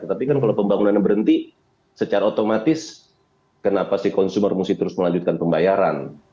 tapi kan kalau pembangunannya berhenti secara otomatis kenapa si konsumer mesti terus melanjutkan pembayaran